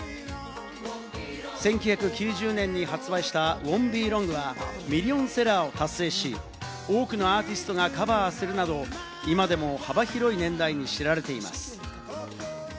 １９９０年に発売された『ＷＯＮ’ＴＢＥＬＯＮＧ』はミリオンセラーを達成し、多くのアーティストがカバーするなど、今でも幅広い年代に知られています。